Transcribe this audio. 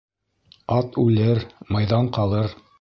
Ат үлер, майҙан ҡалыр